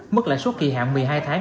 mức lãi suất kỳ hạn một mươi hai tháng